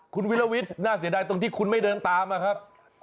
คุณวิลวิทย์น่าเสียดายตรงที่คุณไม่เดินตามนะครับ